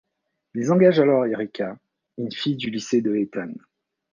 Ils engagent alors Erica, une fille du lycée de Ethan.